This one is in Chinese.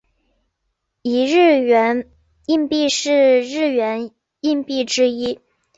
一日圆硬币是日圆硬币之一。